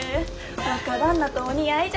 若旦那とお似合いじゃき。